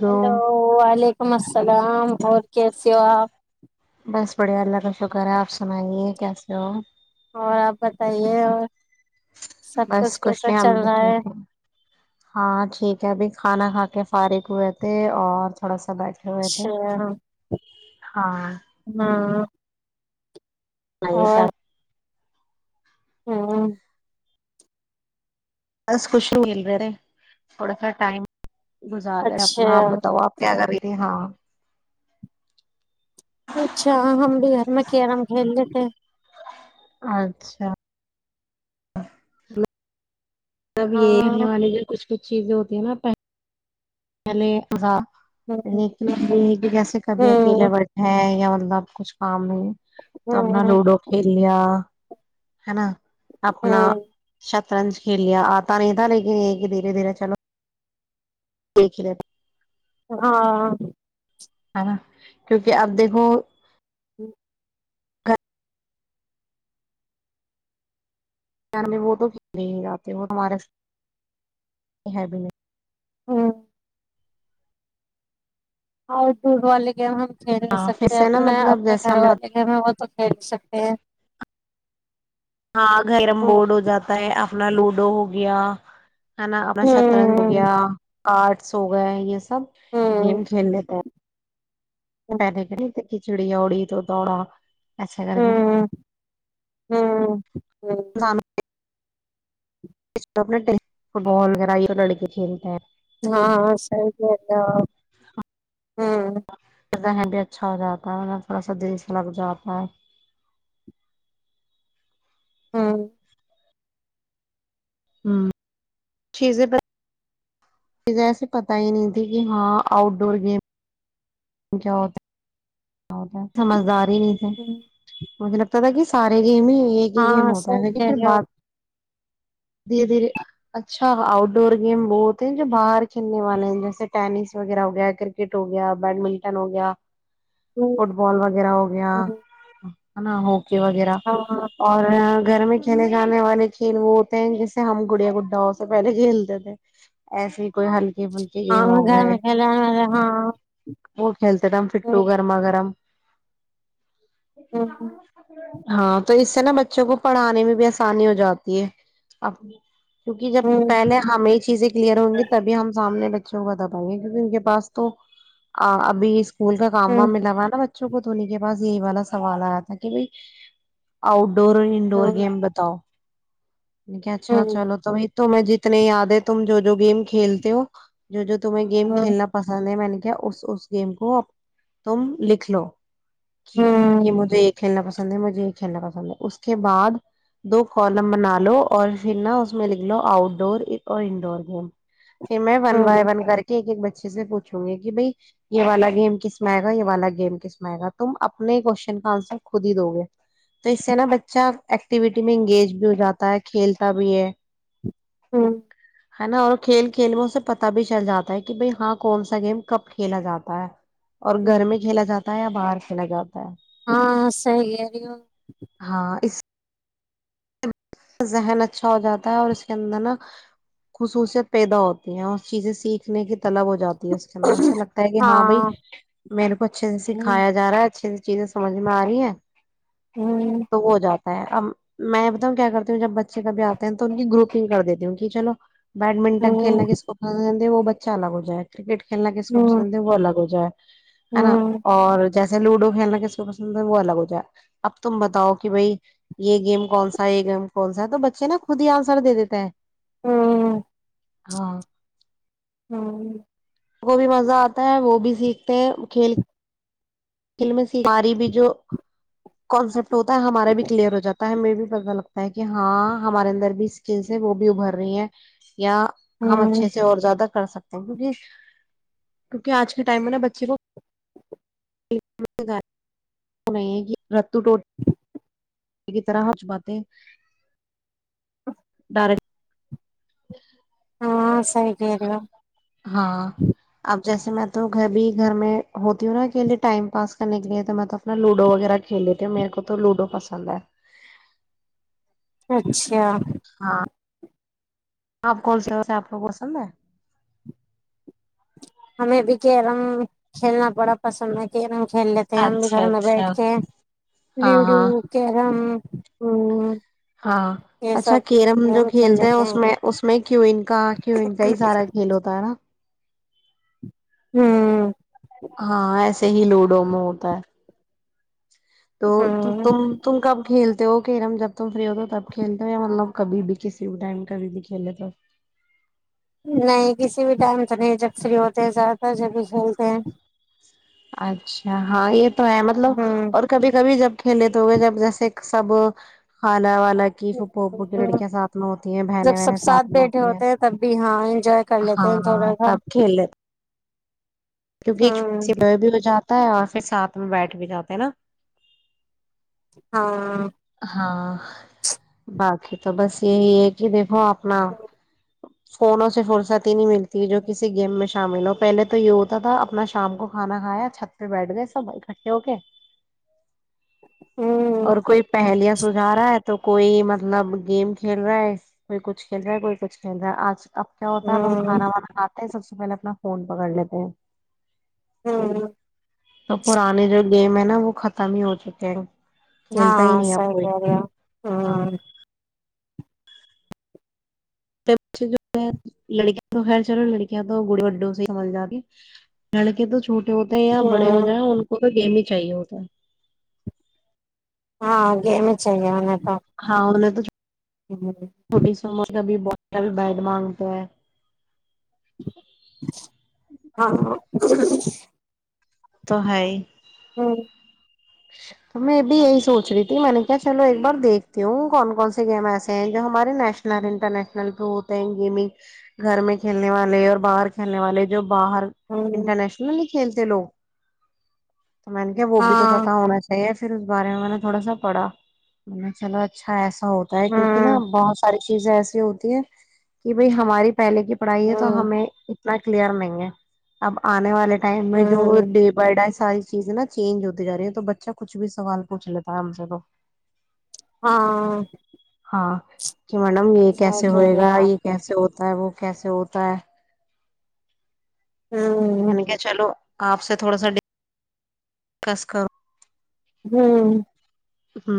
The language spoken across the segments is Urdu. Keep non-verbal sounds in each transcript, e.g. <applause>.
جو ہیلو ولیکم ولیکم السلام اور کیسے ہو آپ بس بڑھیا اللہ کا شکر ہے آپ سے سنائیے کیسے ہو اور آپ بتائیے اور سب بس کچھ کیسا نہیں چل ہمب رہا ٹھیک ہے ہاں ٹھیک ہے ابھی کھانا کھا کے فارغ ہوئے تھے اور تھوڑا سا بیٹھے ہوئے تھے اچھا ہاں <inaudible> نہیں یہ اور سب <inaudible> بس کچش نہیں مل رہا تھے تھوڑا سا ٹائم گزار رہ اچھا اپنا آپ بتاؤ آپ کیا کریں گے ہاں اچھا ہم بھی گھر میں کیرم کھیل لی تھے اچھا تب یہ رہنے ہاں والے جو کچھ جو چیزیں ہوتی ہیں نا پلے ہا ہ لیکن یہ ہے کہ جیسے کبھی ہ اکیلاے بٹ ہے یا ب کچھ کام نہیں ہ تو ہم نے لوڈو کھیلیا ہے نا ہ اپنا ش سرنج کھیل لیا آتا نہیں تھا لیکن یہ کہ دھیرے دھیرے چلو دیکھی ل ہاں ہے نا کیونکہ آپ دیکھو <inaudible> ان میں وہ تو کھیلے ہی جاتے وہ تمہارے ہے بھی نہیں <inaudible> ہ وال ل گاں کھیل نہیں پھر سکتے سے نا اپنا مطلب اپنے جیسے گھر ہمیں والے گھر میں وہ تو کھیل سکتے ہیں ہاں گیرم بورڈ ہو جاتا ہے اپنا لوڈو ہو گیا ہے نا اپنا ہ شطرنج گیا کاٹ س ہوگا ہے سب ہ گیم کھیل لیتے ہیں ساری کھچڑی اوڑی تو دوڑا اچھا کر کے ہ ہ ہ اپ فٹ بال وغیرہ یہ لڑک کھیلتے ہیں ہاں سی ہوں بھی اچھا ہو جاتا ہے تھوڑا سا دل لگ جاتا ہے ہاں ہوں چیزیں پر مھیں ایسے پتا ہی نہیں تھی کہ ہاں آؤٹ ڈور گیم کیا سمجھدار نہیں تھے ہوں مطلب پتتا کہ سارے گیم ہی ایک ہی گیم ہاں ہوتا ہے صحیح لیکن کہہ پھر رہے ہو بات دھیرے دھیرے اچھا آؤٹ ڈور گیم وہتے ہیں جو باہر کھیلنے والے ہیں جیسے ٹینس وغیرہ ہو گیا کرکٹ ہو گیا بیڈمنٹن ہو گیا ہوں فٹ بال وغیرہ ہو گیا ہوں ہو وغیرہ ہاں اور گھر میں کھیلے جانے والے کھیل وہ ہوتے ہیں جسے ہم گڑیا گڈا سے پہلے کھیلتے تھے ایسے ہی کوئی ہلکے پھلکے گیم ہو گھر میں کل والا ہاں اور ہیلت فٹ ہوں ہوگا مکرم یہ ہوں سامانس کا پ ہاں تو اس سے نا بچوں کو پڑھانے میں بھی آسانی ہو جاتی ہے کیوںکہ جب ہوں پہلے ہمیں چیزیں کلیئر ہوں گی تبھی ہم سامنے ائیں گے کیکہ ان کے پاس تو ابھی اسکول کا کام ہوں ملاوا بوں کو دھونے کے باس یہی والا سوال آیا تھا کہ ڈور اور انڈور ہوں گیم بتاؤ <inaudible> نیک اچھا ہوں چلو تو تمہیں جتنے یاد ہے تم جو جو گیم کھیلتے ہو جو جو تمہیں گیم ہوں کھیلنا پسند ہے میں نے کیا اس اس گیم کو تم لکھ لو <inaudible> یہ ہوں مجھے ایک کھیلنا پسند ہے مجھے یہ کھیلنا پسند ہے اس کے بعد دو کالم بنا لو اور پھر نا اس میں لکھ لو آؤٹ ڈور اور انڈور گیم پھر میں ون وائے ہوں ون کر کے ایک ایک بچے اچھے سے پوچھوں گی کہ بھائی یہ والا گیم کس مئے گا یہ والا گیم کسمئے گا تم اپنے کوشن کا آنسر خود ہی دو گے تو اس سے نا بچہ ایکٹیویٹی میں انگیج بھی ہو جاتا ہے کھیلتا بھی ہے ہاں ہے نا اور کھیل کھیل میں سے پتا بھی چل جاتا ہے کہ بھائی ہاں کون سا گیم کب کھیلا جاتا ہے اور گھر میں کھیلا جاتا یا باہر سے لگا ہاں صیح رہ ہاں اس ذہن اچھا ہو جاتا ہے اور اس کے اندر نا خصوصیت پیدا ہوتی ہے اور چیزیں سیکھنے کی طلب ہو جاتی ہے اس کے اندر اسسا لگتا ہے کہ ہاں بھائی میرے کو اچھے سے ہوں سکھایا جا رہا ہے اچھے سے چیزیں سمجھ میں آ رہی ہیں ہوں تو ہو جاتا میں کیا کرتی ہوں جب بچے کبھی آتے ہیں تو ان کی گروپنگ کر دیتی ہوں کہ چلو بیڈمنٹن کھیلنا ہوں کس کو وہ بچہ الگ ہو جائےا کرکٹ کے کھیل ل کے سب س ہوں ب لگ جا ہے ہے نا ہوں اور جیسے لوڈو کھیلنا کس کو پسند ہے وہ الگ ہو جائے اب تم بتاؤ کہ بھائی یہ گیم کون سا اام کون سا ہے تو بچے نا خود ہی آنسر دے دیتا ہے ہوں ہاں ہاں کو بھی مزہ آتا ہے وہ بھی سیکھتے ہیں کھیل ف س ہماری بھی جو کانسپٹ ہوتا ہے ہمارا بھی کلیئر ہواتا ہے ہمیں بھی پتہ لگتا کہ ہاں ہمارے اندر بھی اسکلس ہے وہ بھی ابھر رہی ہیں یا ہم ہوں اچھے سے اور زیادہ کر سکتے ہیں کیک کیونکہ آج کے ٹائم میں نا بچے کو م گار <unintelligible> نہیں ہے کہ رتو ٹو کی طرح ہچ باتیں ڈر ا <unintelligible> ہاں سیحری ہاں اب جیسے میں تو گھر بھی گھر میں ہوتی ہوں نا اکلے ٹائم پاس کرنے کے لیے تو میں تو اپنا لوڈو وغیرہ کھیل لیتی ہوں میرے کو تو لوڈو پسند ہے اچھا کیا ہاں آپ کون س ہو سے آپ کو پسند ہے ہمیں بھی کہ رم کھیلنا بڑا پسند ہے کہ رم کھیل لیتے ہیں ہم بھی اچھا گھر میں بیٹھ اچھا کے ہاں لوڈو ہاں کیرم ہوں <inaudible> ہاں اچھا کیرم جو کھیل کھیلتے ہیں لیتے اس میں اس میں کیین کا کیین کا ہی سارا کھیل ہوتا ہے نا ہوں <inaudible> سے ہی لوڈو میں ہوتا ہے تو ہ تم تم کب کھیلتے تو وہ کہرم جب تم فری ہوتے ہو تب کھیلتے ہو یا مطلب کبھی بھی کسی بھی ٹائم کبھی بھی کھیلے تو ہو نہیں کسی بھی ٹائم سے نہیں جب فری ہوتے ہیں زیادہ تر جب بھی کھیلتے ہیں اچھا ہاں یہ تو ہے مطلب اور کبھی کبھی جب کھیلے تو ہو گئے جب جیسے سب خالا وال لکی پھپھوھو کی ہوں لڑکیاں ساتھ میں ہوتی ہیں بہنیں جب بہن سب ساتھ میں بیٹھے ہوتی ہیں ہوتے تب بھی ہاں انجوائے کر لیتے ہیں ہاں تھوڑا سا تب کھیل کیونکہ ایک چھوٹی ہوں س سے ب بھی ہو جاتا تا ہے اور پھر ساتھ میں بیٹھ بھی جاتے ہیں نا ہاں <inaudible> ہاں باقی تو بس یہی ہے کہ دیکھو آپ نہ <inaudible> فونوں سے فرصت ہی نہیں ملتی جو کسی گیم میں شامل ہو پہلے تو یو تا تھا اپنا شام کو کھانا کھایا چھت پہ بیٹھ گئے سب اکٹھے ہو کے ہوں اور کوئی پہلیا سجھا رہا ہے تو کوئی مطلب گیم کھیل رہا ہے کوئی کچھ کھیل رہا ہے کوئی کچھ کھیل رہا ہے آج اب کیا ہوتا ہےب ہم ہ کھانا وانا کھاتے ہیں سب سے سے پہلے اپنا فون پکڑ لیتے ہیں ہ تو پرانے جو گیم ہے نا وہ ختم ہی ہو چکے ہیں کھیلتا ہاں ہی نہیں اب کوئی سکری ہاں جو ہے لڑکیاں تو خیر چلو لڑکیاں تو گڑی اڈوں سے سبل جا گی لڑکے تو چھوٹے ہوتے ہیں ہ یا بڑے ہ ہو جائ ان کو تو گیمنگ چاہیے ہوگ ہاں گے میں ہی چاہیے ہونا تو ہاں انہیں تو ج چھوٹی سی <inaudible> عمر کبھی کبھی بیڈ مانگ تو ہے ہاںاں <inaudible> <inaudible> تو میں بھی یہی سوچ رہی تھی میں نے کیا چلو ایک بار دیکھتی ہوں کون کون سے گیم ایسے ہیں جو ہمارے نیشنل انٹرنیشنل پ ہوتے ہیں گیمنگ گھر میں کھیلنے والے اور باہر کھیلنے والے جو باہر انٹرنیشنل کلتے لو تو میں نے کہ کیا بوبی تو ہاں پت ا ہے پھر اس بارے میں نے تھوڑا سا پڑا نے چلو اچھا ایسا اچ ہوتا ہے کیونکہ نہا بہت سارے چیزیں ایسی ہوتی ہیں کہ بھائی ہماری پہلے کی ہوں پڑھائی ہے تو ہوں ہمیں اتنا کلیئر نہیں ہے اب آنے والے ٹائم میں جو ہوں ڈی بر ڈا ساری چیز نا چینج ہوتے ج رہی ہیں تو بچہ کچھ بھی سوال پوچھ لیتا ہے ہم سے تو ہاں ہاں کہ میڈم یہ صحیح کیسے کہہ ہوئے رہے گا ہو آپ یہ کیسے ہوتا ہے وہ کیسے ہوتا ہے م نے کہ چلو آپ سے تھوڑا ساکس کرو ہوں ہ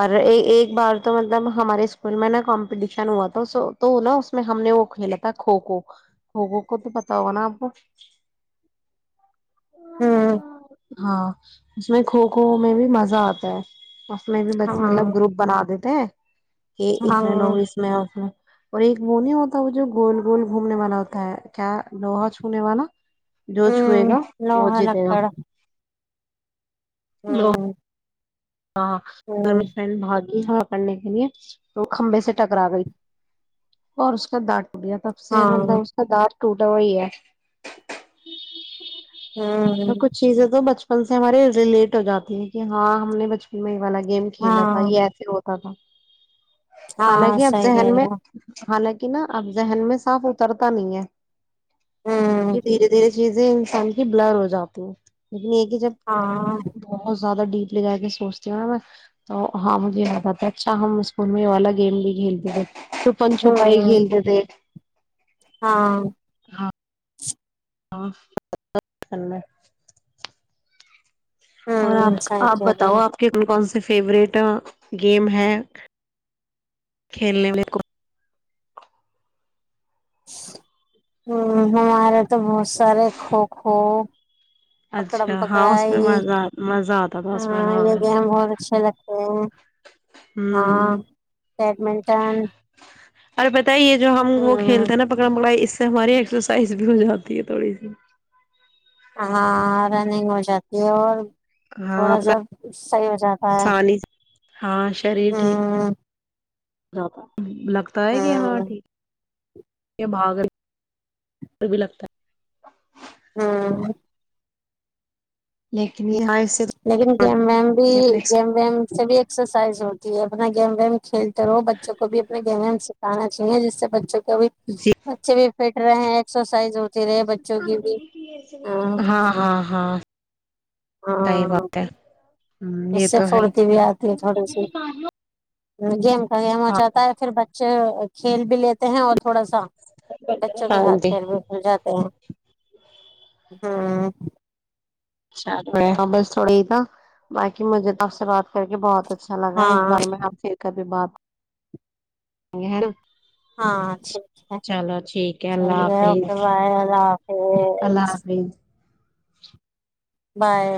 اور ایک بار تو مطلب ہمارے اسکول میں نا کمپٹیشن ہوا تھا تو نا اس میں ہم نے وہ کھیلا تھا کھکھو کھوکھو کو تو پتا ہوگا نا آپ ہوں ہاں اس میں کھوکھو میں بھی مزہ آتا <inaudible> اس میں بھی بچے مطلب ہاں گروپ بناےتے <inaudible> کہ ہاں اتنے لوگ اس میں اور اور ایک مونی ہوتا ہے وہ جو گول گول گھومنے والا ہوتا ہے کیا لوہا چھونے والا جو چھوئے ہوں گا وہ لوہا جی دے گا ہاں ہاں فن بہت ہاکڑنے کے لیے وہ کھمبے سے ٹکرا گئی اور اس کا دٹ پڑیا تب سے ہاں مطلب اس کا دانت ٹوٹا ہوا ہی ہے <inaudible> میں ہوں کچھ چیزیں تو بچپن <unintelligible> سے ہمارے ریلیٹ ہو جاتی ہیں کہ ہاں ہم نے بچثن <unintelligible> میںوالا لگے <unintelligible> گیم کھیلنا تھا ہاں یہ ایسے ہوتا <unintelligible> کابا <unintelligible> حالا ہاں کی اب صحیح کہہ ذہن رہے میں ہو حالانکہ نا اب ذہن میں صاف اترتا نہیں ہے <unintelligible> کیونکہ ہوں دھیرے دھیرے <unintelligible> چیزیں انسان کی بلر ہو جاتی ہیں لیکن ایک <unintelligible> جب ہاں بہت <unintelligible> زیادہ ڈیپ ل جا کے سوچتے <unintelligible> تو ہاں مجھے یاد آتا ہے اچھا ہم اسکول میں والا گیم بھی کھیلتے تھے <unintelligible> چپن چھپائی ہوں گھیلتے تھے ہاں ہاں <unintelligible> ہاںنا <unintelligible> اور آپ ہوں صحیح آپ کہہ رہی بتاؤ ہو آپ کین کون سے <unintelligible> فیورٹ گیم ہے کھیلنے والے کو <unintelligible> ہ ہمارے تو بہت سارے کھو کو <unintelligible> پکڑم اچھا ہاں اس میں پکڑائی مزہ مزہ آتا تھا اس میں ہاں یہ گیم بہت اچھے لگتے ہیں ہاں ہوں بیڈمنٹن اور بتاو <unintelligible> تا یہ جو ہم وہ ہ کھیلتے نا پکڑا پکڑا اس <unintelligible> ہماری ایکسرسائز بھی ہو جاتی ہے تھوڑی سی <unintelligible> ہاںاں <unintelligible> ٹینگ ہو جاتی ہے اور ہاں تھوڑا اپنا سا صحیح ہو جاتی ہے آسانی ہ <unintelligible> جاباب <unintelligible> لگتا ہے کہ ہاں ہوں ٹھیک <unintelligible> یہ بھاگل بھی لگتا ہے <unintelligible> ہاں <unintelligible> لیکن یہاں <unintelligible> لیکن گیم ویم بھی اپنے گیم ویم سے بھی ایکسرسائز ہوتی جی اپنا گیم گیم کیلتی <unintelligible> کرو بچوں کو بھی اپنے گہنے ان سے <unintelligible> سکھاناچاہیے جس سے بچوں کو <unintelligible> کبھی جی بچے بھی ف <unintelligible> رہے ہیں ایک سو <unintelligible> ہاں ہاں ہاں سی ہاں بات ہے ہ یہ اس سے تو ہے پھرتی ہاں جی تو ایم ہو ہاں جاتا ہے پھر بچے ک بے ہیں اور تھوڑا سا بچوں کے ہاں ہاتھ جی پیر بھی بھل جاتے ہیں ہوں اچ ہ بس تھوڑے ہی تھا باقی مجھے تو آپ سے بات کر کے بہت اچ اچھا لگا اس ہاں بارے میں آپ پھر کبھی بات ہےا ہاں ٹھیک ہے ٹھیک اللہ ہے اوکے حافظ بائے اللہ حافظ اللہ حافظ بائے